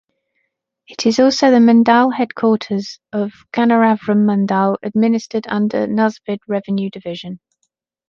It is also the mandal headquarters of Gannavaram mandal, administered under Nuzvid revenue division.